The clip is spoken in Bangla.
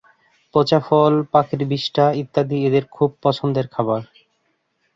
পচা ফল, পাখির বিষ্ঠা ইত্যাদি এদের খুব পছন্দের খাদ্য।